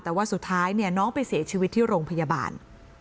แต่ว่าสุดท้ายเนี่ยน้องไปเสียชีวิตที่โรงพยาบาล